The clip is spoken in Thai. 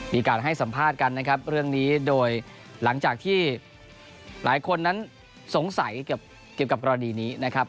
มีการให้สัมภาษณ์กันนะครับเรื่องนี้โดยหลังจากที่หลายคนนั้นสงสัยเกี่ยวกับกรณีนี้นะครับ